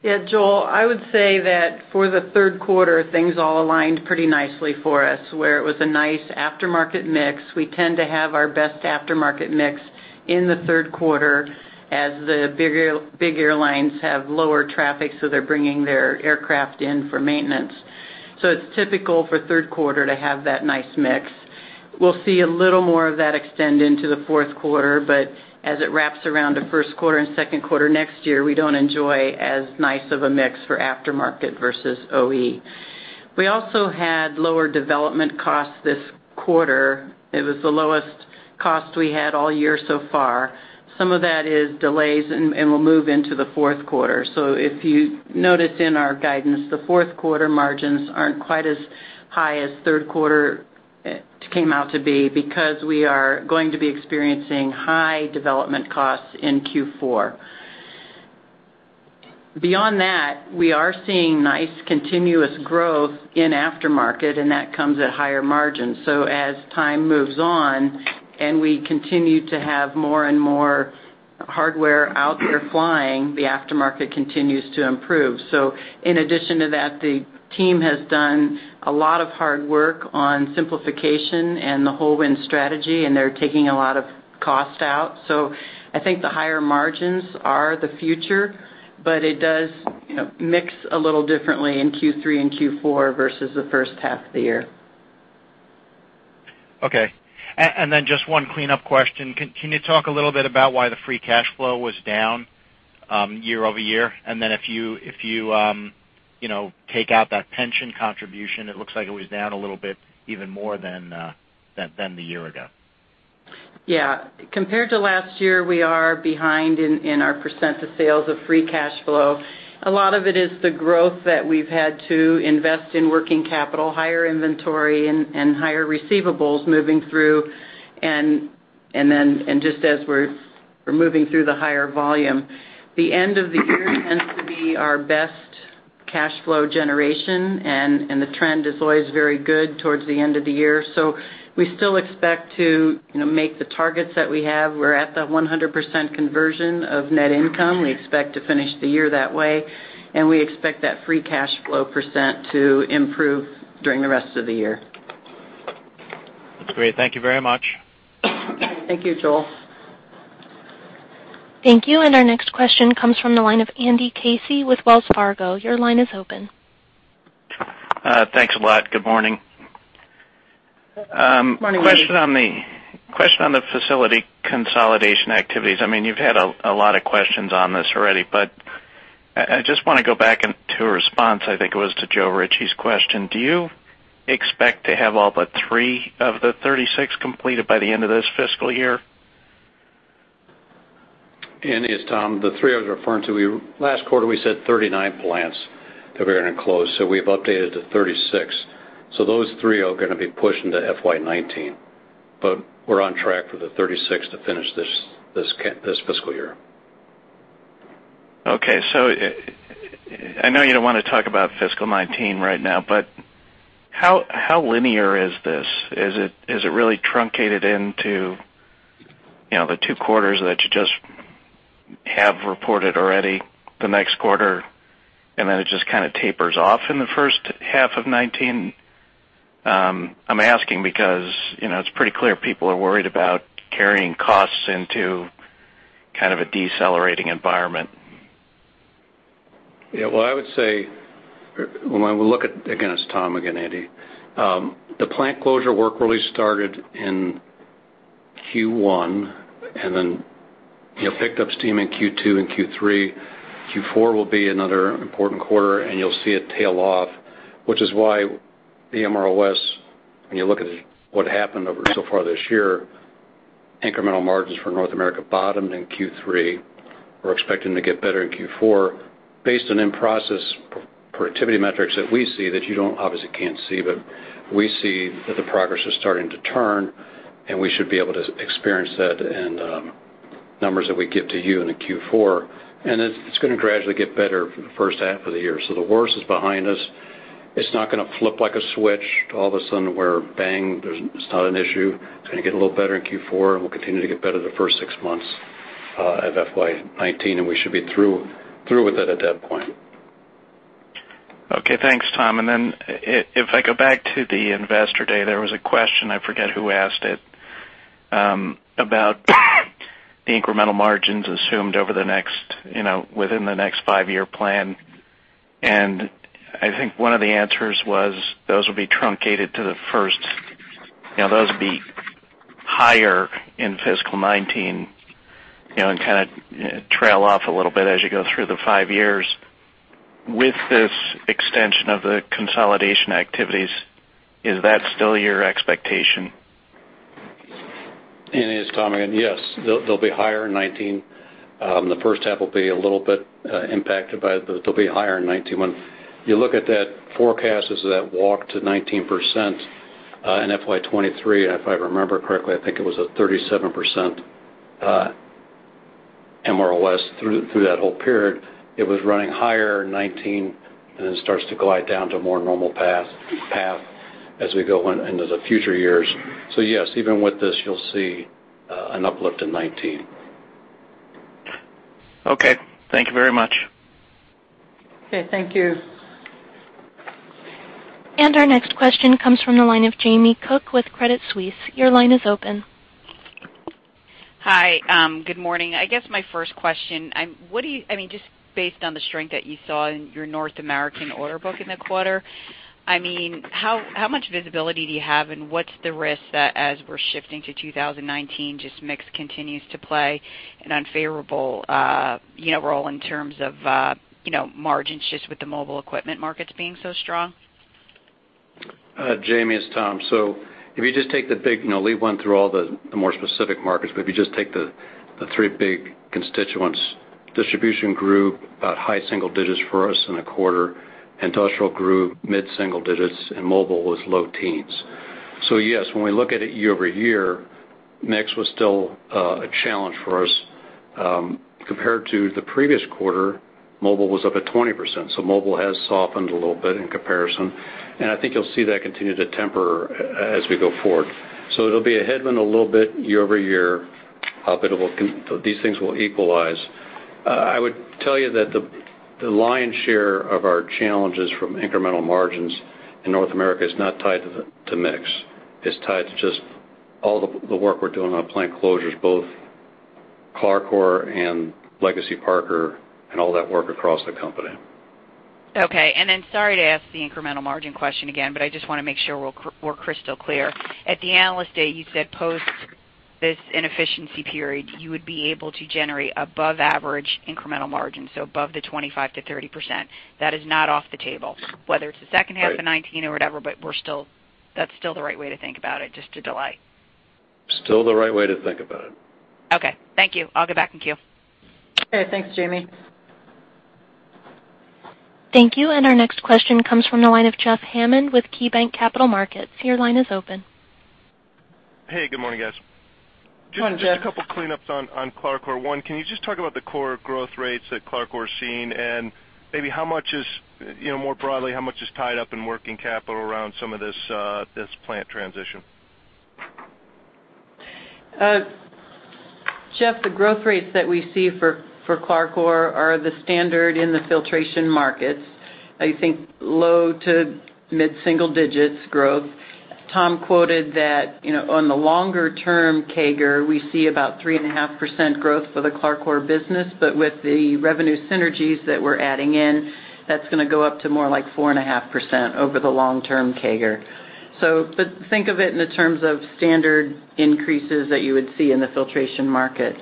Yeah, Joel, I would say that for the third quarter, things all aligned pretty nicely for us, where it was a nice aftermarket mix. We tend to have our best aftermarket mix in the third quarter as the big airlines have lower traffic, so they're bringing their aircraft in for maintenance. It's typical for third quarter to have that nice mix. We'll see a little more of that extend into the fourth quarter, but as it wraps around to first quarter and second quarter next year, we don't enjoy as nice of a mix for aftermarket versus OE. We also had lower development costs this quarter. It was the lowest cost we had all year so far. Some of that is delays and will move into the fourth quarter. If you notice in our guidance, the fourth quarter margins aren't quite as high as third quarter came out to be because we are going to be experiencing high development costs in Q4. Beyond that, we are seeing nice continuous growth in aftermarket, and that comes at higher margins. As time moves on and we continue to have more and more hardware out there flying, the aftermarket continues to improve. In addition to that, the team has done a lot of hard work on simplification and the whole Win Strategy, and they're taking a lot of cost out. I think the higher margins are the future, but it does mix a little differently in Q3 and Q4 versus the first half of the year. Okay. Just one cleanup question. Can you talk a little bit about why the free cash flow was down year-over-year? If you take out that pension contribution, it looks like it was down a little bit even more than the year ago. Yeah. Compared to last year, we are behind in our % of sales of free cash flow. A lot of it is the growth that we've had to invest in working capital, higher inventory and higher receivables moving through, and just as we're moving through the higher volume. The end of the year tends to be our best cash flow generation, and the trend is always very good towards the end of the year. We still expect to make the targets that we have. We're at the 100% conversion of net income. We expect to finish the year that way, and we expect that free cash flow % to improve during the rest of the year. Great. Thank you very much. Thank you, Joel. Thank you. Our next question comes from the line of Andrew Casey with Wells Fargo. Your line is open. Thanks a lot. Good morning. Morning, Andy. Question on the facility consolidation activities. You've had a lot of questions on this already, but I just want to go back into a response, I think it was to Joe Ritchie's question. Do you expect to have all but three of the 36 completed by the end of this fiscal year? Andy, it's Tom. The three I was referring to, last quarter, we said 39 plants that we're going to close. We've updated to 36. Those three are going to be pushed into FY 2019. We're on track for the 36 to finish this fiscal year. Okay. I know you don't want to talk about fiscal 2019 right now, how linear is this? Is it really truncated into the two quarters that you just have reported already the next quarter, and then it just tapers off in the first half of 2019? I'm asking because it's pretty clear people are worried about carrying costs into kind of a decelerating environment. Well, I would say, when we look at, again, it's Tom again, Andy. The plant closure work really started in Q1, picked up steam in Q2 and Q3. Q4 will be another important quarter, you'll see it tail off, which is why the MROs, when you look at what happened over so far this year, incremental margins for North America bottomed in Q3. We're expecting to get better in Q4 based on in-process productivity metrics that we see, that you obviously can't see. We see that the progress is starting to turn, we should be able to experience that in numbers that we give to you in the Q4. It's going to gradually get better for the first half of the year. The worst is behind us. It's not going to flip like a switch, all of a sudden where, bang, it's not an issue. It's going to get a little better in Q4, will continue to get better the first six months of FY 2019, we should be through with it at that point. Okay. Thanks, Tom. If I go back to the Investor Day, there was a question, I forget who asked it, about the incremental margins assumed within the next five-year plan. I think one of the answers was those will be higher in fiscal 2019, kind of trail off a little bit as you go through the five years. With this extension of the consolidation activities, is that still your expectation? Andy, it's Tom again. Yes. They'll be higher in 2019. The first half will be a little bit impacted by it, they'll be higher in 2019. When you look at that forecast as that walk to 19% in FY 2023, if I remember correctly, I think it was a 37% MROS through that whole period. It was running higher in 2019, starts to glide down to a more normal path as we go into the future years. Yes, even with this, you'll see an uplift in 2019. Okay. Thank you very much. Okay. Thank you. Our next question comes from the line of Jamie Cook with Credit Suisse. Your line is open. Hi. Good morning. I guess my first question, just based on the strength that you saw in your North American order book in the quarter, how much visibility do you have, and what's the risk that as we're shifting to 2019, just mix continues to play an unfavorable role in terms of margins, just with the mobile equipment markets being so strong? Jamie, it's Tom. If you just take the big, we went through all the more specific markets, but if you just take the three big constituents, distribution group, about high single digits for us in a quarter. Industrial grew mid-single digits, and mobile was low teens. Yes, when we look at it year-over-year, mix was still a challenge for us. Compared to the previous quarter, mobile was up at 20%, so mobile has softened a little bit in comparison. I think you'll see that continue to temper as we go forward. It'll be a headwind a little bit year-over-year, but these things will equalize. I would tell you that the lion's share of our challenges from incremental margins in North America is not tied to mix. It's tied to just all the work we're doing on plant closures, both CLARCOR and Legacy Parker, and all that work across the company. Okay. Sorry to ask the incremental margin question again, I just want to make sure we're crystal clear. At the Analyst Day, you said post this inefficiency period, you would be able to generate above average incremental margins, so above the 25%-30%. That is not off the table. Whether it's the second half of 2019 or whatever, that's still the right way to think about it, just to delight. Still the right way to think about it. Okay. Thank you. I'll go back in queue. Okay. Thanks, Jamie. Thank you. Our next question comes from the line of Jeffrey Hammond with KeyBanc Capital Markets. Your line is open. Hey. Good morning, guys. Good morning, Jeff. Just a couple cleanups on CLARCOR. One, can you just talk about the core growth rates that CLARCOR is seeing? Maybe more broadly, how much is tied up in working capital around some of this plant transition? Jeff, the growth rates that we see for CLARCOR are the standard in the filtration markets. I think low to mid-single digits growth. Tom quoted that on the longer-term CAGR, we see about 3.5% growth for the CLARCOR business, but with the revenue synergies that we're adding in, that's going to go up to more like 4.5% over the long-term CAGR. Think of it in the terms of standard increases that you would see in the filtration market.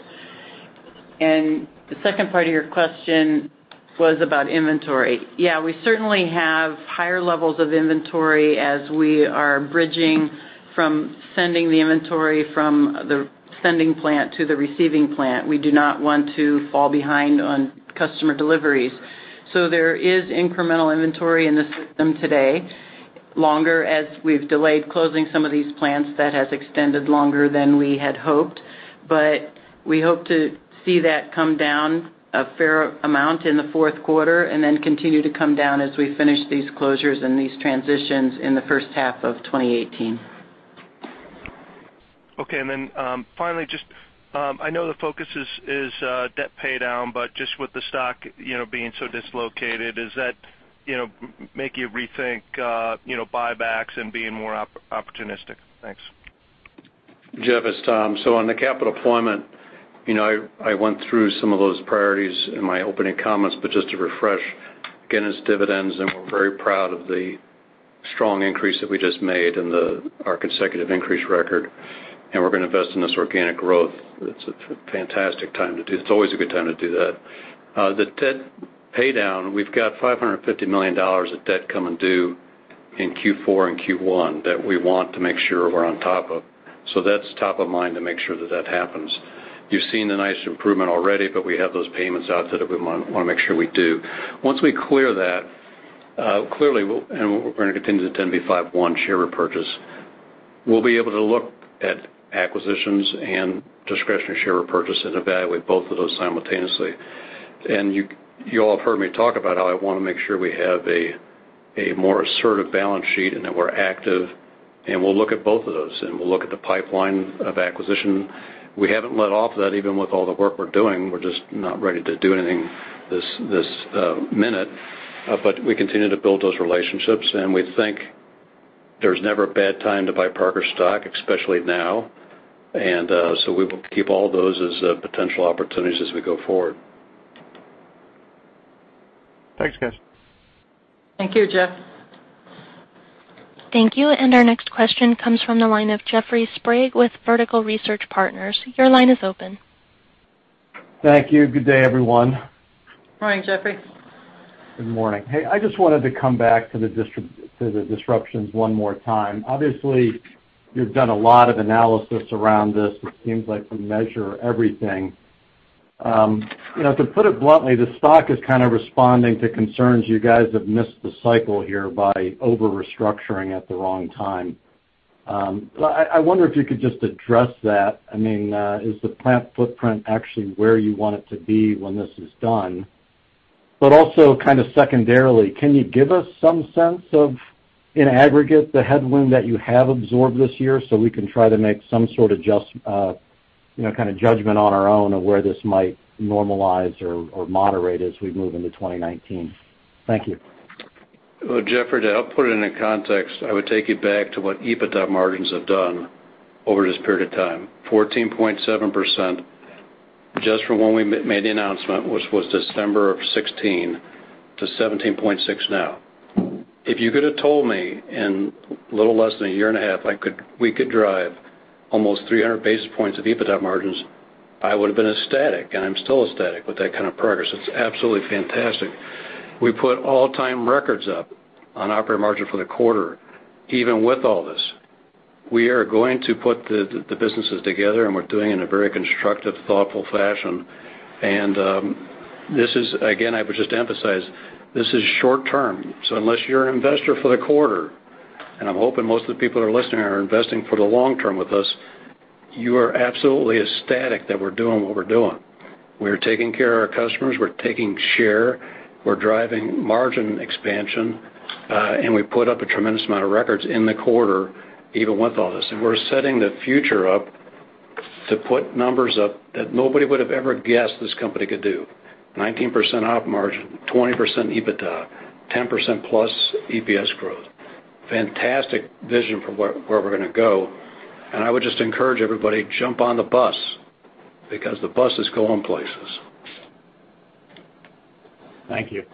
The second part of your question was about inventory. Yeah, we certainly have higher levels of inventory as we are bridging from sending the inventory from the sending plant to the receiving plant. We do not want to fall behind on customer deliveries. There is incremental inventory in the system today. Longer, as we've delayed closing some of these plants, that has extended longer than we had hoped. We hope to see that come down a fair amount in the fourth quarter and then continue to come down as we finish these closures and these transitions in the first half of 2019. Okay. Finally, just I know the focus is debt paydown, but just with the stock being so dislocated, does that make you rethink buybacks and being more opportunistic? Thanks. Jeff, it's Tom. On the capital deployment, I went through some of those priorities in my opening comments, but just to refresh, again, it's dividends, and we're very proud of the strong increase that we just made and our consecutive increase record, and we're going to invest in this organic growth. It's a fantastic time it's always a good time to do that. The debt paydown, we've got $550 million of debt coming due in Q4 and Q1 that we want to make sure we're on top of. That's top of mind to make sure that that happens. You've seen the nice improvement already, but we have those payments out that we want to make sure we do. Once we clear that, clearly, we're going to continue to 10b5-1 share repurchase, we'll be able to look at acquisitions and discretionary share repurchase and evaluate both of those simultaneously. You all have heard me talk about how I want to make sure we have a more assertive balance sheet and that we're active, and we'll look at both of those, and we'll look at the pipeline of acquisition. We haven't let off that even with all the work we're doing. We're just not ready to do anything this minute. We continue to build those relationships, and we think there's never a bad time to buy Parker stock, especially now. We will keep all those as potential opportunities as we go forward. Thanks, guys. Thank you, Jeff. Thank you. Our next question comes from the line of Jeffrey Sprague with Vertical Research Partners. Your line is open. Thank you. Good day, everyone. Morning, Jeffrey. I just wanted to come back to the disruptions one more time. Obviously, you've done a lot of analysis around this. It seems like you measure everything. To put it bluntly, the stock is kind of responding to concerns you guys have missed the cycle here by over-restructuring at the wrong time. I wonder if you could just address that. Is the plant footprint actually where you want it to be when this is done? Also kind of secondarily, can you give us some sense of, in aggregate, the headwind that you have absorbed this year so we can try to make some sort of just judgment on our own of where this might normalize or moderate as we move into 2019? Thank you. Well, Jeffrey, to help put it into context, I would take you back to what EBITDA margins have done over this period of time, 14.7% just from when we made the announcement, which was December of 2016, to 17.6% now. If you could have told me in a little less than a year and a half, we could drive almost 300 basis points of EBITDA margins, I would have been ecstatic, and I'm still ecstatic with that kind of progress. It's absolutely fantastic. We put all-time records up on operating margin for the quarter, even with all this. We are going to put the businesses together, and we're doing it in a very constructive, thoughtful fashion. This is, again, I would just emphasize, this is short-term. Unless you're an investor for the quarter, and I'm hoping most of the people that are listening are investing for the long term with us, you are absolutely ecstatic that we're doing what we're doing. We're taking care of our customers. We're taking share. We're driving margin expansion. We put up a tremendous amount of records in the quarter, even with all this. We're setting the future up to put numbers up that nobody would have ever guessed this company could do. 19% op margin, 20% EBITDA, 10% plus EPS growth. Fantastic vision for where we're going to go. I would just encourage everybody, jump on the bus because the bus is going places. Thank you.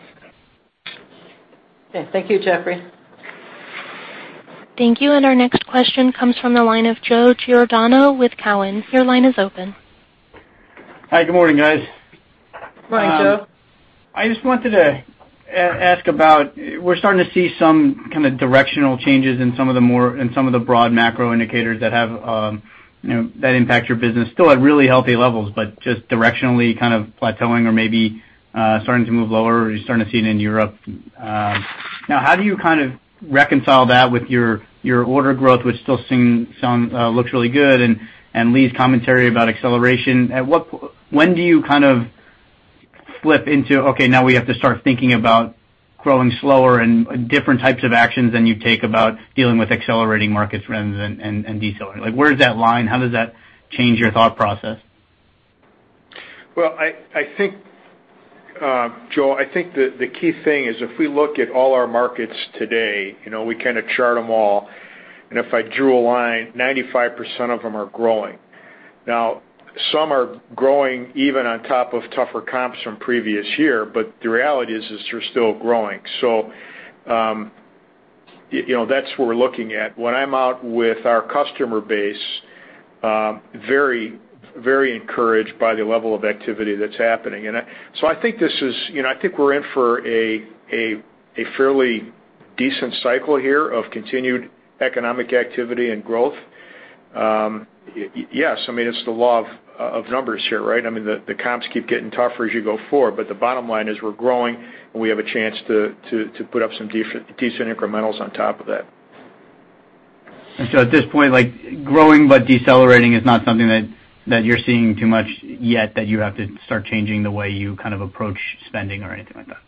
Okay. Thank you, Jeffrey. Thank you. Our next question comes from the line of Joseph Giordano with Cowen. Your line is open. Hi, good morning, guys. Morning, Joe. I just wanted to ask about, we're starting to see some kind of directional changes in some of the broad macro indicators that impact your business, still at really healthy levels, but just directionally kind of plateauing or maybe starting to move lower, you're starting to see it in Europe. How do you kind of reconcile that with your order growth, which still looks really good, and Lee's commentary about acceleration? When do you kind of flip into, okay, now we have to start thinking about growing slower and different types of actions than you take about dealing with accelerating markets rather than decelerating? Where is that line? How does that change your thought process? Well, Joe, I think the key thing is if we look at all our markets today, we chart them all, and if I drew a line, 95% of them are growing. Some are growing even on top of tougher comps from previous year, but the reality is they're still growing. That's what we're looking at. When I'm out with our customer base, very encouraged by the level of activity that's happening. I think we're in for a fairly decent cycle here of continued economic activity and growth. Yes, I mean, it's the law of numbers here, right? I mean, the comps keep getting tougher as you go forward, but the bottom line is we're growing, and we have a chance to put up some decent incrementals on top of that. At this point, growing but decelerating is not something that you're seeing too much yet that you have to start changing the way you approach spending or anything like that?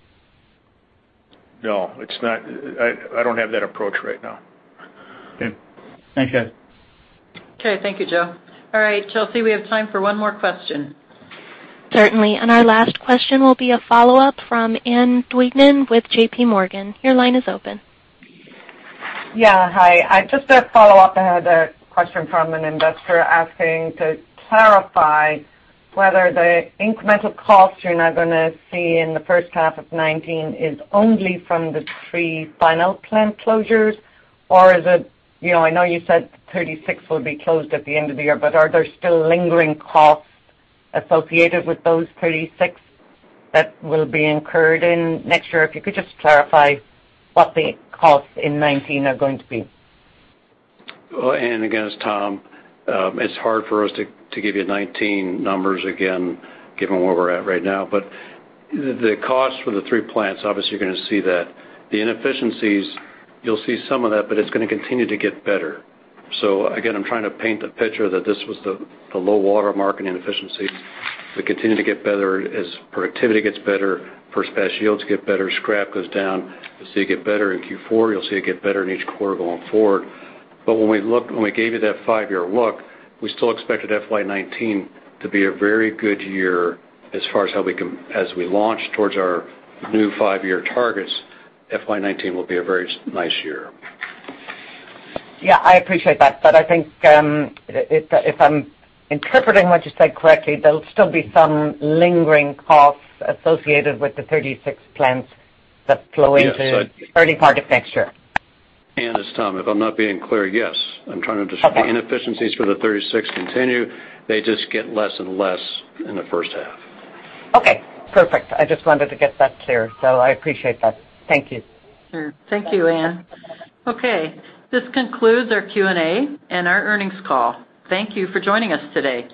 No. I don't have that approach right now. Okay. Thanks, guys. Okay. Thank you, Joe. All right, Chelsea, we have time for one more question. Certainly. Our last question will be a follow-up from Ann Duignan with J.P. Morgan. Your line is open. Yeah. Hi. Just a follow-up. I had a question from an investor asking to clarify whether the incremental costs you're now going to see in the first half of 2019 is only from the three final plant closures, or is it, I know you said 36 will be closed at the end of the year, but are there still lingering costs associated with those 36 that will be incurred in next year? If you could just clarify what the costs in 2019 are going to be. Well, Anne, again, it's Tom. It's hard for us to give you 2019 numbers again, given where we're at right now. The cost for the three plants, obviously, you're going to see that. The inefficiencies, you'll see some of that, but it's going to continue to get better. Again, I'm trying to paint the picture that this was the low water mark in efficiency. They continue to get better as productivity gets better, first pass yields get better, scrap goes down. You'll see it get better in Q4. You'll see it get better in each quarter going forward. When we gave you that five-year look, we still expected FY 2019 to be a very good year as far as we launch towards our new five-year targets, FY 2019 will be a very nice year. Yeah, I appreciate that. I think, if I'm interpreting what you said correctly, there'll still be some lingering costs associated with the 36 plants that flow into- Yes. early part of next year. Ann, it's Tom. If I'm not being clear, yes. I'm trying to. Okay the inefficiencies for the 36 continue. They just get less and less in the first half. Okay, perfect. I just wanted to get that clear. I appreciate that. Thank you. Sure. Thank you, Anne. Okay. This concludes our Q&A and our earnings call. Thank you for joining us today.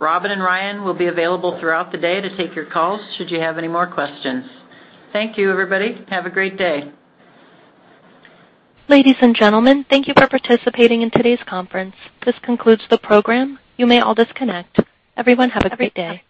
Robin and Ryan will be available throughout the day to take your calls should you have any more questions. Thank you, everybody. Have a great day. Ladies and gentlemen, thank you for participating in today's conference. This concludes the program. You may all disconnect. Everyone have a great day.